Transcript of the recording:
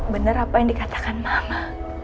benar apa yang dikatakan mama